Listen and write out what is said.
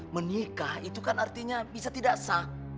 menikah itu kan artinya bisa tidak sah